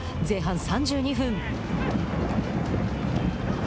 前半３２分。